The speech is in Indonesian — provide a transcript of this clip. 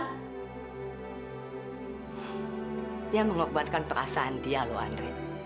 dia mengorbankan perasaan dia loh andre